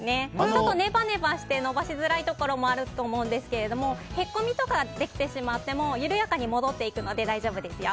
ちょっとネバネバして延ばしづらいところがあると思うんですけどへこみとかできてしまっても緩やかに戻っていくので大丈夫ですよ。